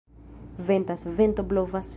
Ventas, vento blovas.